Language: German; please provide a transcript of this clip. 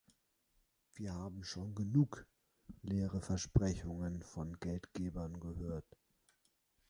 Wir haben schon genug leere Versprechungen von Geldgebern gehört.